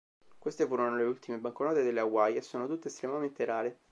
Queste furono le ultime banconote delle Hawaii e sono tutte estremamente rare.